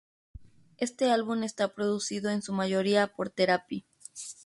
Este álbum está producido en su mayoría por Therapy.